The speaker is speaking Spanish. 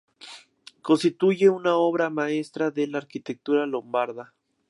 Constituye una obra maestra de la arquitectura lombarda.